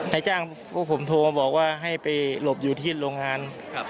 นายจ้างพวกผมโทรมาบอกว่าให้ไปหลบอยู่ที่โรงงาน